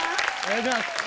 ・お願いします